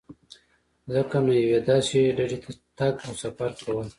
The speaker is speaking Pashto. ځکه نو یوې داسې ډډې ته تګ او سفر کول.